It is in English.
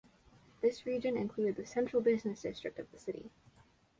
This region included the Central Business District of the city.